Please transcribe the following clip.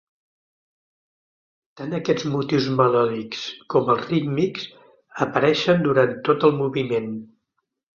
Tant aquests motius melòdics com els rítmics apareixen durant tot el moviment.